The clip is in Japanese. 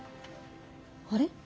あれ？